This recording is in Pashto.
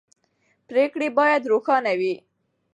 پرېکړې باید روښانه وي